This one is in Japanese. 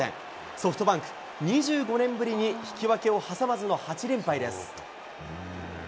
ソフトバンク、２５年ぶりに引き分けを挟まずの８連敗です。